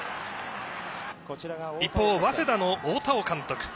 一方、早稲田の大田尾監督。